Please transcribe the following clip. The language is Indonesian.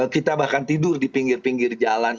kita bahkan tidur di pinggir pinggir jalan